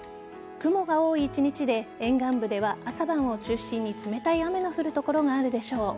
雲が多い一日で沿岸部では朝晩を中心に冷たい雨の降る所があるでしょう。